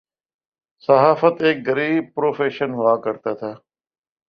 صحافت ایک غریب پروفیشن ہوا کرتاتھا۔